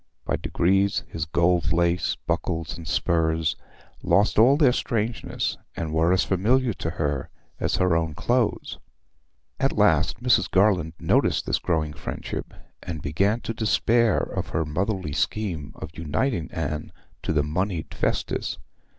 By degrees his gold lace, buckles, and spurs lost all their strangeness and were as familiar to her as her own clothes. At last Mrs. Garland noticed this growing friendship, and began to despair of her motherly scheme of uniting Anne to the moneyed Festus.